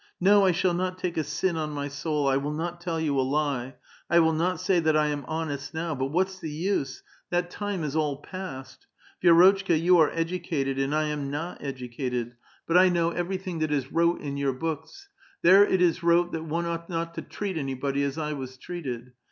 No, I shall not take a sin on my soul, I will not t«ll you a lie, I will not say that I am honest now. But what's the use ? That time is all past. Vi^rotchka, you are educated and I am not educated, but I know everything A VITAL QUESTION. 21 that is wrote in your books ; there it is wrote that one ought not to treat auybody as 1 was treated.